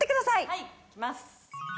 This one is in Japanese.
はいいきます。